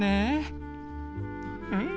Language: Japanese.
うん！